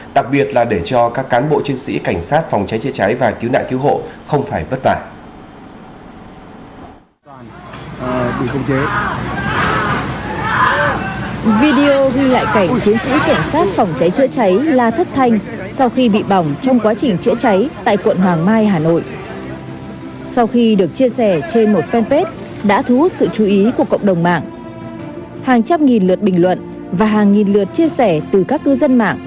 đặc biệt là để cho các cán bộ chiến sĩ cảnh sát phòng cháy chữa cháy và cứu nạn cứu hộ không phải vất vả